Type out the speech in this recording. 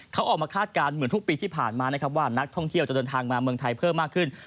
เขาออกมาคาดการณ์เหมือนทุกปีที่ผ่านมานะครับว่านักท่องเที่ยวจะเดินทางมาเมืองไทยเพิ่มมากขึ้น